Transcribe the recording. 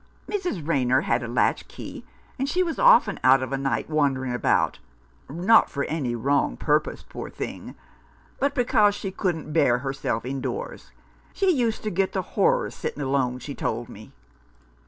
Mrs. Rayner had a latch key, and she was often out of a night wandering about — not for any wrong purpose, poor thing — but because 145 L Rough Justice. she couldn't bear herself indoors. She used to get the horrors sitting alone, she told me."